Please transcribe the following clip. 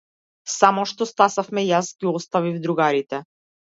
Само што стасавме јас ги оставив другарите.